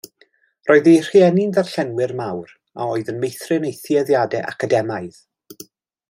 Roedd ei rhieni'n ddarllenwyr mawr, a oedd yn meithrin ei thueddiadau academaidd.